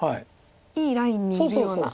いいラインにいるような。